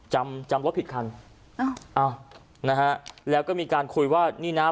จำจำรถผิดคันอ้าวอ้าวนะฮะแล้วก็มีการคุยว่านี่นะ